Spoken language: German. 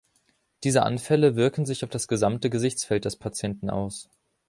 Diese Anfälle wirken sich auf das gesamte Gesichtsfeld des Patienten aus.